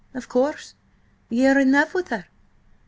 "Of course. Ye are in love with her?"